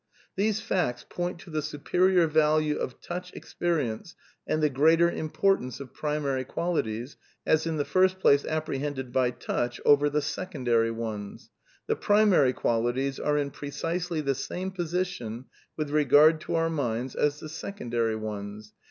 "These facts ... point to the superior value of touch ex perience and the greater importance of primary qualities, as in the first place apprehended by touch, over the secondary ones ... the primary qualities are in precisely the same position with regard to our minds as the secondary ones.